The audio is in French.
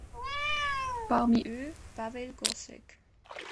Parmi eux, Pawel Korzec.